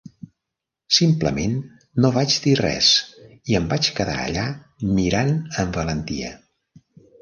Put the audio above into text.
Simplement no vaig dir res i em vaig quedar allà mirant amb valentia.